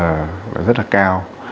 rất là cao